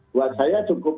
buat saya cukup